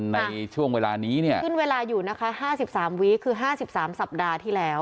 ในช่วงเวลานี้เนี่ยขึ้นเวลาอยู่นะคะ๕๓วิคือ๕๓สัปดาห์ที่แล้ว